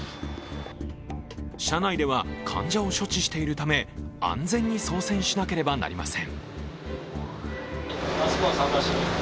車内では患者を処置しているため安全に操船しなければなりません。